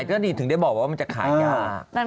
ก็ดีถึงได้บอกว่ามันจะขายยาก